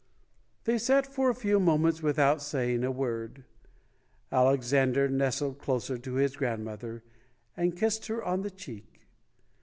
They sat for a few moments without saying a word. Alexander nestled closer to his grand mother and kissed her on the cheek.